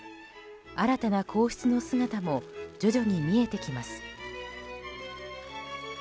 新たな皇室の姿も徐々に見えてきます。